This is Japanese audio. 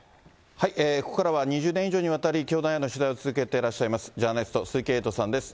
ここからは２０年以上にわたり、教団への取材を続けてらっしゃいます、ジャーナリスト、鈴木エイトさんです。